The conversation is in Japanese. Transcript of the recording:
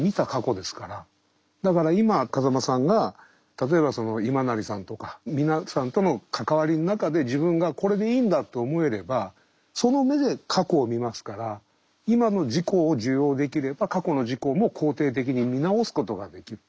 だから今風間さんが例えば今成さんとか皆さんとの関わりの中で自分がこれでいいんだと思えればその目で過去を見ますから今の自己を受容できれば過去の自己も肯定的に見直すことができる。